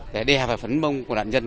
để đeo vào phấn mông của nạn nhân